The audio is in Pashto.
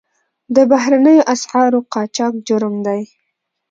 د بهرنیو اسعارو قاچاق جرم دی